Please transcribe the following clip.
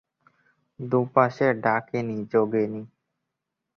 দু’পাশে ডাকিনী-যোগিনী।